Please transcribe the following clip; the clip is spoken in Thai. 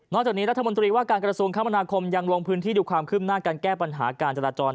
จากนี้รัฐมนตรีว่าการกระทรวงคมนาคมยังลงพื้นที่ดูความคืบหน้าการแก้ปัญหาการจราจร